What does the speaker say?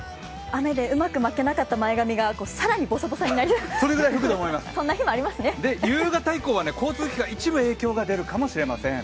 雨でうまく巻けなかった前髪がさらにぼさぼさに夕方以降は交通機関、一部影響が出るかもしれません。